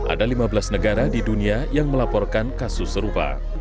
ada lima belas negara di dunia yang melaporkan kasus serupa